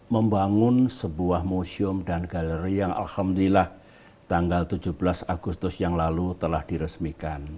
membangun sebuah museum dan galeri yang alhamdulillah tanggal tujuh belas agustus yang lalu telah diresmikan